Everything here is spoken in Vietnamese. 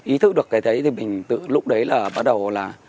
ý thức được cái đấy thì mình tự lúc đấy là bắt đầu là